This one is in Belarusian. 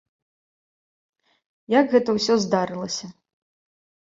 Як гэта ўсё здарылася.